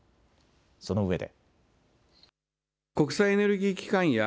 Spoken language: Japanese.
そのうえで。